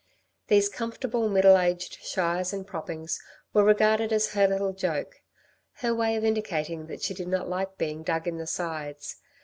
These comfortable, middle aged shies and proppings were regarded as her little joke, her way of indicating that she did not like being dug in the sides.